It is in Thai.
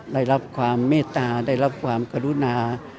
ได้รับความเมตตาได้รับความกรุณา